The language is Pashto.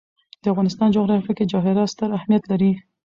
د افغانستان جغرافیه کې جواهرات ستر اهمیت لري.